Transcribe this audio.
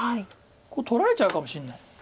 これ取られちゃうかもしれない。